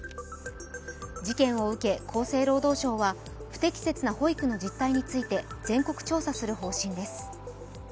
事件を受け厚生労働省は、不適切な保育の実態について全国調査する方針です。